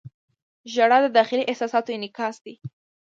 • ژړا د داخلي احساساتو انعکاس دی.